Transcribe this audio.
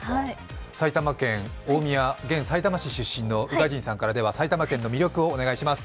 埼玉県、大宮、現埼玉県出身の宇賀神さんから埼玉県の魅力をお願いします。